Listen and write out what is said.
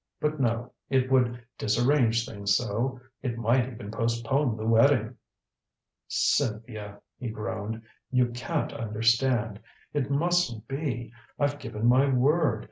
But no it would disarrange things so it might even postpone the wedding! "Cynthia," he groaned, "you can't understand. It mustn't be I've given my word.